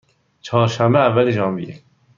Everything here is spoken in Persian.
چهارشنبه، اول ژانویه